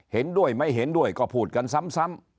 เห็นด้วยไม่เห็นด้วยก็พูดกันซ้ำ